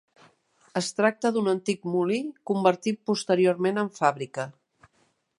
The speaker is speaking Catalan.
Es tracta d'un antic molí, convertit posteriorment en fàbrica.